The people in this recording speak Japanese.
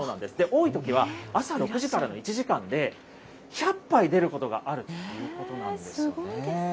多いときは朝６時からの１時間で、１００杯出ることがあるというこすごいですね。